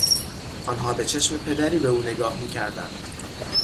آنها به چشم پدری به او نگاه میکردند.